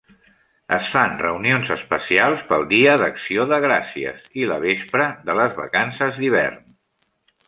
Es fan reunions especials pel Dia d'Acció de Gràcies i la vespra de les vacances d'hivern.